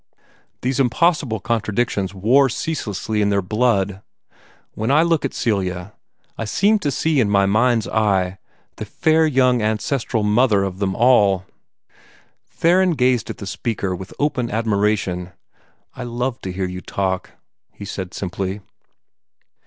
These impossible contradictions war ceaselessly in their blood. When I look at Celia, I seem to see in my mind's eye the fair young ancestral mother of them all." Theron gazed at the speaker with open admiration. "I love to hear you talk," he said simply.